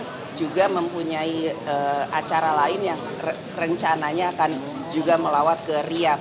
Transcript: mereka juga mempunyai acara lain yang rencananya akan juga melawat ke riyad